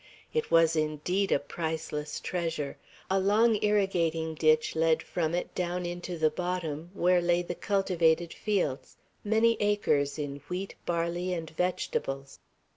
It was indeed a priceless treasure; a long irrigating ditch led from it down into the bottom, where lay the cultivated fields, many acres in wheat, barley, and vegetables.